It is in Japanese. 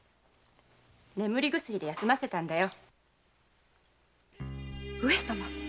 眠り薬で寝させたんだよ。